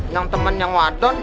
nyam temen nyam wadon